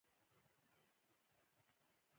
زه، خپلواک صاحب او خالد صاحب جلا شوو.